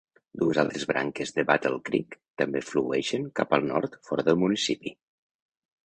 Dues altres branques de Battle Creek també flueixen cap al nord fora del municipi.